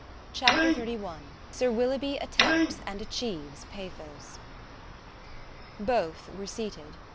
CHAPTER XXXI SIR WILLOUGHBY ATTEMPTS AND ACHIEVES PATHOS Both were seated.